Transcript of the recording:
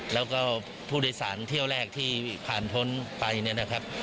แล้วก็ผู้โดยสารเที่ยวแรกที่ผ่านพ้นไปเนี่ยนะครับ